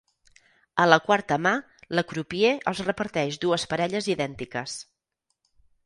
A la quarta mà la crupier els reparteix dues parelles idèntiques.